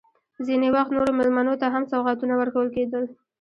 ځینې وخت نورو مېلمنو ته هم سوغاتونه ورکول کېدل.